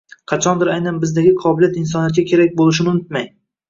Qachondir aynan sizdagi qobiliyat insoniyatga kerak bo’lishini unutmang